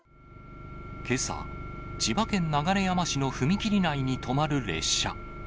けさ、千葉県流山市の踏切内に止まる列車。